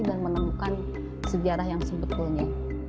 dan menemukan sejarah yang sebetulnya